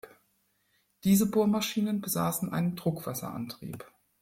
Diese Bohrmaschinen besassen einen Druckwasser-Antrieb.